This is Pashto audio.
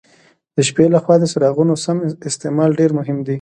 د شپې له خوا د څراغونو سم استعمال ډېر مهم دی.